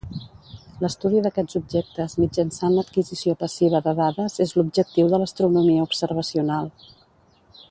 L'estudi d'aquests objectes mitjançant l'adquisició passiva de dades és l'objectiu de l'astronomia observacional.